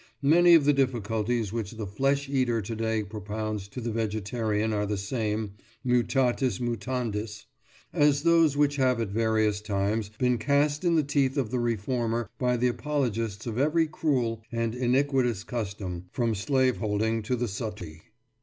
Many of the difficulties which the flesh eater to day propounds to the vegetarian are the same, mutatis mutandis, as those which have at various times been cast in the teeth of the reformer by the apologists of every cruel and iniquitous custom, from slave holding to the suttee.